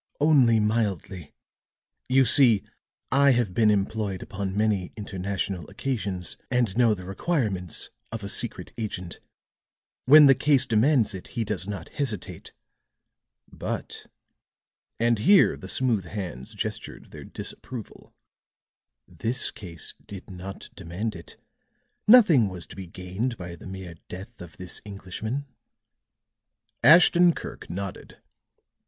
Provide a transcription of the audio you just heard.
"Only mildly. You see, I have been employed upon many international occasions, and know the requirements of a secret agent. When the case demands it, he does not hesitate. But," and here the smooth hands gestured their disapproval, "this case did not demand it. Nothing was to be gained by the mere death of this Englishman." Ashton Kirk nodded.